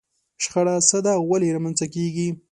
شخړه څه ده او ولې رامنځته کېږي؟